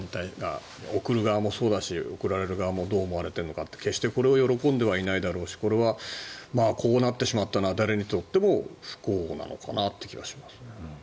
送る側もそうだし、送られる側もどう思われるんだろうかって決してこれを喜んではいないだろうしこれはこうなってしまったのは誰にとっても不幸なのかなという気はしますね。